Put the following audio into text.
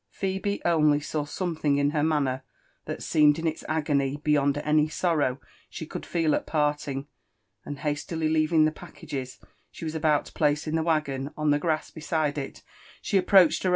Phebc, only, saw something in her maao^c t}iat seemed in its agony beyond any sorrow she could feel at parliag, and hastily leaving the packages she was ab)ut lo place io.tbe wa^oo^ on the grass beside it^ she appro^^hed her.